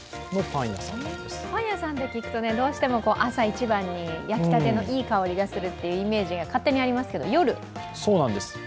パン屋さんって聞くとどうしても朝一番に焼きたてのいい香りがするというイメージが勝手にありますけど、夜？